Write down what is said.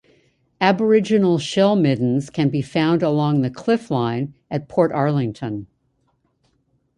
Aboriginal shell middens can be found along the cliff-line at Portarlington.